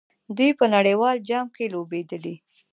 دوی په نړیوال جام کې لوبېدلي.